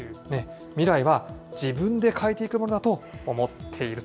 未来は自分で変えていくものだと思っていると。